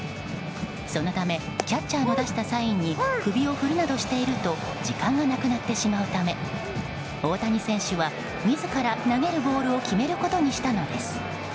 そのためキャッチャーの出したサインに首を振るなどしていると時間がなくなってしまうため大谷選手は自ら投げるボールを決めることにしたのです。